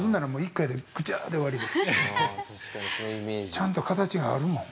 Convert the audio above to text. ちゃんと形があるもん。